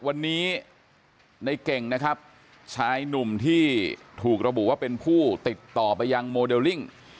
วันนี้ในเก่งนะครับชายหนุ่มที่ถูกระบุว่าเป็นผู้ติดต่อไปยังโมเดลลิ่ง